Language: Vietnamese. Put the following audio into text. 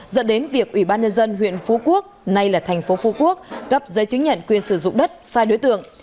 dẫn đến việc ubnd huyện phú quốc nay là thành phố phú quốc cấp giấy chứng nhận quyền sử dụng đất sai đối tượng